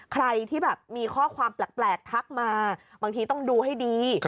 ใครที่แบบมีข้อความแปลกทักมาบางทีต้องดูให้ดี